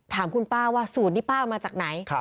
ถามคุณป้าว่าสูตรนี้ป้ามาจากไหน